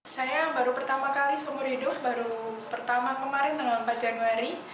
saya baru pertama kali seumur hidup baru pertama kemarin tanggal empat januari